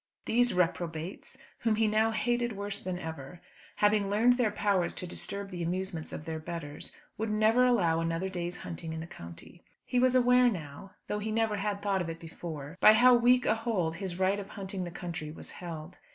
These reprobates, whom he now hated worse than ever, having learned their powers to disturb the amusements of their betters, would never allow another day's hunting in the county. He was aware now, though he never had thought of it before, by how weak a hold his right of hunting the country was held.